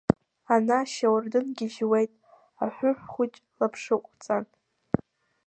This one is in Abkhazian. Ана ашьауардын гьежьуеит, Аҳәыҳә хәыҷ лаԥшықәҵан.